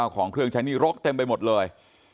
ของเครื่องใช้หนี้รกเต็มไปหมดเลย